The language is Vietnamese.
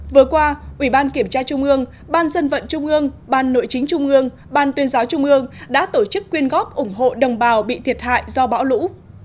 vừa qua ủy ban kiểm tra trung ương ban dân vận trung ương ban nội chính trung ương ban tuyên giáo trung ương đã tổ chức quyên góp ủng hộ đồng bào bị thiệt hại do bão lũ